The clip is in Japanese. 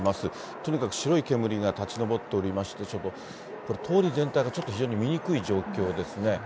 とにかく白い煙が立ち上っておりまして、ちょっと、これ、通り全体が、ちょっと非常に見にくい状況ですね。